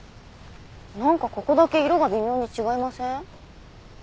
なんかここだけ色が微妙に違いません？